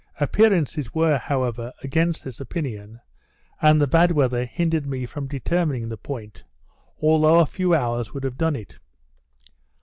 Appearances were, however, against this opinion, and the bad weather hindered me from determining the point, although a few hours would have done it.